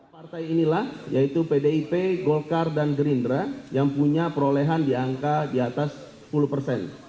partai inilah yaitu pdip golkar dan gerindra yang punya perolehan di angka di atas sepuluh persen